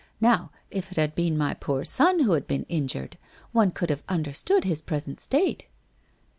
Now, if it had been my poor son who had been injured, one could have understood his present state.'